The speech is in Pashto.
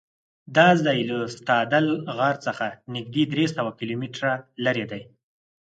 دا ځای له ستادل غار څخه نږدې درېسوه کیلومتره لرې دی.